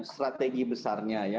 strategi besarnya ya